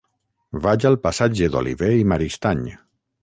Vaig al passatge d'Olivé i Maristany.